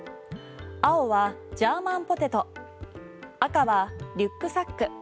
青は、ジャーマンポテト赤は、リュックサック。